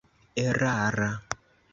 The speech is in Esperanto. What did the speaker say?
erara